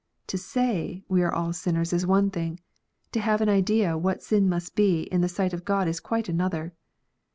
To say we are all sinners is one thing ; to have an idea what sin must be in the sight of God is quite another.